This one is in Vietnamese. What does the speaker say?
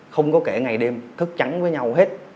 không có kể ngày đêm thức trắng với nhau hết